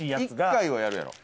一回はやるやろ。